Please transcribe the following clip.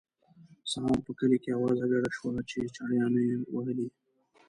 سهار په کلي کې اوازه ګډه شوه چې چړیانو یې وهلی.